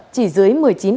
chỉ dưới một mươi chín